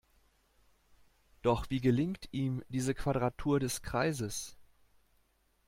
Doch wie gelingt ihm diese Quadratur des Kreises?